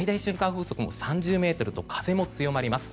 風速も３０メートルと風も強まります。